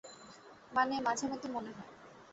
মানে, মাঝেমধ্যে মনে হয়।